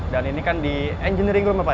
dan ini kan di engine room ya pak